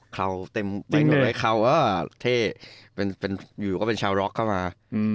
เขาเต็มไว้เขาว่าเท่อยู่ก็เป็นชาวร็อคเข้ามา